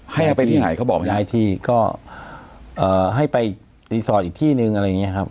ให้ไปที่ไหนเขาบอกไหมย้ายที่ก็เอ่อให้ไปอีกที่หนึ่งอะไรอย่างเงี้ยครับ